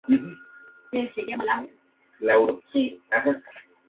En ese momento ya era general de División.